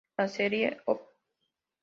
La serie Op.